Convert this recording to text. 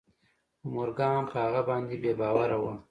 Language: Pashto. خو مورګان په هغه باندې بې باوره و